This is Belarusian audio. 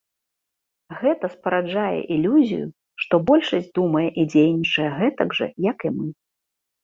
Гэта спараджае ілюзію, што большасць думае і дзейнічае гэтак жа, як і мы.